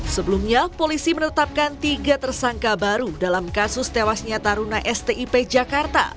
sebelumnya polisi menetapkan tiga tersangka baru dalam kasus tewasnya taruna stip jakarta